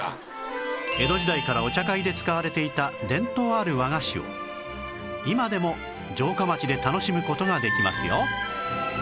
江戸時代からお茶会で使われていた伝統ある和菓子を今でも城下町で楽しむ事ができますよ